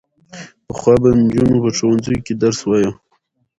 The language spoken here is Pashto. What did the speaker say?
پخوا به نجونو په ښوونځیو کې درس وايه.